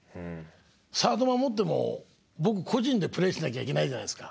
サード守っても僕個人でプレーしなきゃいけないじゃないですか。